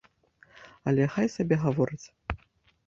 Але хай сабе гаворыць.